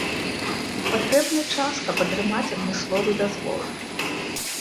Патрэбны час, каб атрымаць адмысловы дазвол.